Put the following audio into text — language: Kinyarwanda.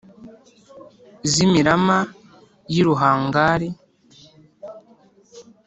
z ímiramá y i ruhangari